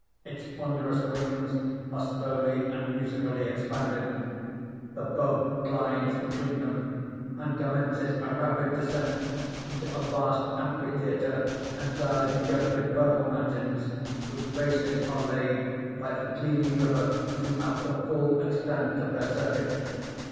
Its ponderous wings are slowly and musically expanded. The boat glides between them, and commences a rapid descent into a vast amphitheatre entirely begirt with purple mountains, whose bases are laved by a gleaming river throughout the full extent of their circuit.